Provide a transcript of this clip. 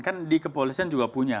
kan di kepolisian juga punya